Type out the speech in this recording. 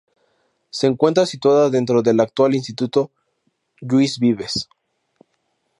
Se encuentra situada dentro del actual Instituto Lluís Vives.